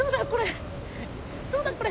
そうだ